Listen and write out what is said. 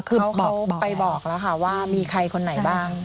คือไปบอกแล้วค่ะว่ามีใครคนไหนบ้าง